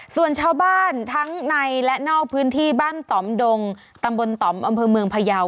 ส่วนชาวบ้านทั้งในและนอกพื้นที่บ้านต่อมดงตำบลต่อมอำเภอเมืองพยาว